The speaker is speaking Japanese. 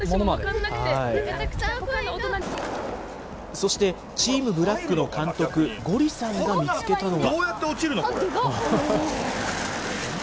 そしてチームブラックの監督、ゴリさんが見つけたのは。